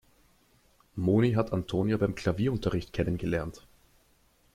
Moni hat Antonia beim Klavierunterricht kennengelernt.